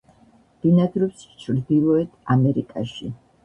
ბინადრობს ჩრდილოეთ ამერიკაში.